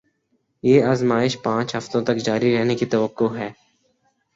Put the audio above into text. یہ آزمائش پانچ ہفتوں تک جاری رہنے کی توقع ہے